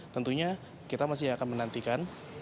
tentunya kita masih akan menantikan